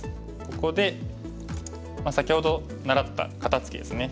ここで先ほど習った肩ツキですね。